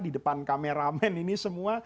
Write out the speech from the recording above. di depan kameramen ini semua